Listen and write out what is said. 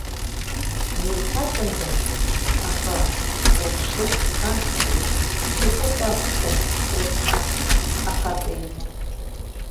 Днеиҭаҵында, аха, уԥшыр, ассир, шьапык акәхуп, рыцҳа, ахаҵа имоу.